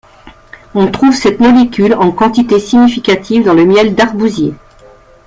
On trouve cette molécule en quantité significative dans le miel d'arbousier.